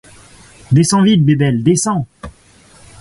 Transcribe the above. Descends vite, Bébelle, descends !